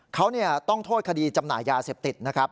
เขาต้องโทษคดีจำหน่ายยาเสพติดนะครับ